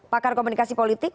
pakar komunikasi politik